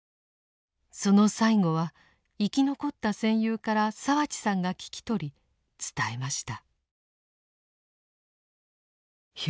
その最期は生き残った戦友から澤地さんが聞き取り伝えました。